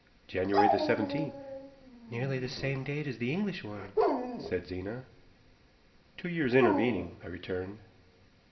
"January the seventeenth." "Nearly the same date as the English one," said Zena. "Two years intervening," I returned.